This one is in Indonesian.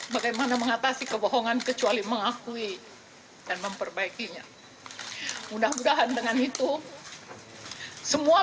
bagaimana mengatasi kebohongan kecuali mengakui dan memperbaikinya mudah mudahan dengan itu semua